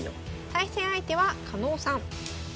対戦相手は狩野さん。